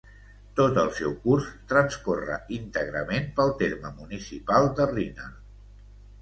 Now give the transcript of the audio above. Tot el seu curs transcorre íntegrament pel terme municipal de Riner.